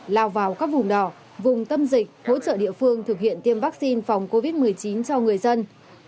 lao vào các vùng đỏ vùng tâm dịch hỗ trợ địa phương thực hiện tiêm vaccine phòng covid một mươi chín cho người dân